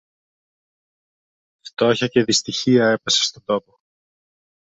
Φτώχεια και δυστυχία έπεσε στον τόπο